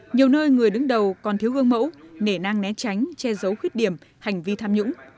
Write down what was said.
nhiều nơi người đứng đầu còn thiếu gương mẫu nể nang né tránh che giấu khuyết điểm hành vi tham nhũng